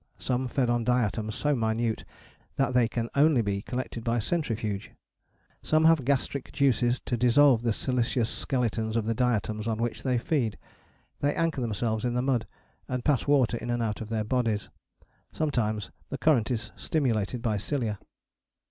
Some fed on diatoms so minute that they can only be collected by centrifuge: some have gastric juices to dissolve the siliceous skeletons of the diatoms on which they feed: they anchor themselves in the mud and pass water in and out of their bodies: sometimes the current is stimulated by cilia.